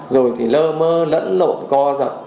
rồi thì lơ mơ lẫn lộn co giật